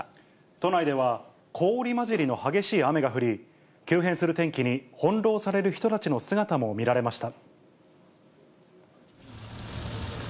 都内では、氷交じりの激しい雨が降り、急変する天気に翻弄される人たちの姿も見られました。